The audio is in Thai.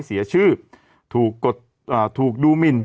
เสียชื่อถูกดูหมิน